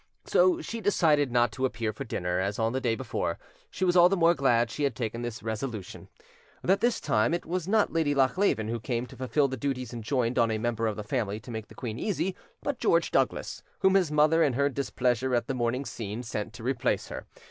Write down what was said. So she decided not to appear for dinner, as on the day before: she was all the more glad she had taken this resolution, that this time it was not Lady Lochleven who came to fulfil the duties enjoined on a member of the family to make the queen easy, but George Douglas, whom his mother in her displeasure at the morning scene sent to replace her.